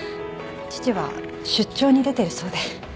父は出張に出てるそうで。